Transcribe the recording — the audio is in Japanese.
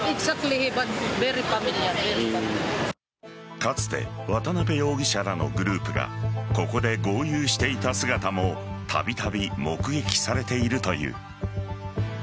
かつて渡辺容疑者らのグループがここで豪遊していた姿もたびたび目撃されているという。